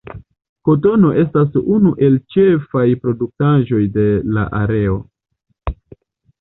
Kotono estas unu el ĉefaj produktaĵoj de la areo.